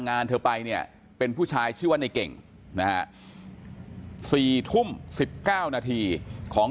งานเธอไปเนี่ยเป็นผู้ชายชื่อว่าในเก่งนะฮะ๔ทุ่ม๑๙นาทีของ